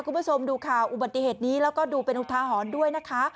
คุณผู้ชมดูข่าวอุบัติเหตุนี้แล้วก็ดูเป็นอุทาหรณ์ด้วยนะคะ